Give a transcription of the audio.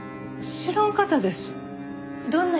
知らん方です。